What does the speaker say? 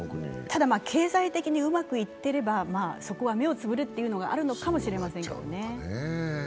ただ、経済的にうまくいっていれば、そこは目をつぶるというのがあるのかもしれませんね。